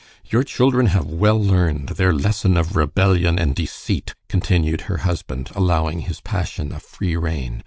"Your children have well learned their lesson of rebellion and deceit," continued her husband, allowing his passion a free rein.